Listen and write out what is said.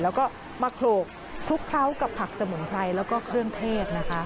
แล้วก็มาโขลกคลุกเคล้ากับผักสมุนไพรแล้วก็เครื่องเทศนะคะ